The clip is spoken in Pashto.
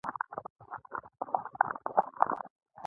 د غور شاهمشه پل د نړۍ تر ټولو پخوانی آرک پل دی